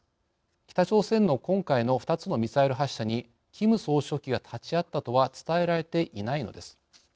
北朝鮮の今回の２つのミサイル発射にキム総書記が立ち会ったとは伝えられていないのです。